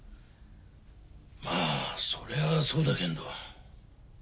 まあそれはそうだけんど。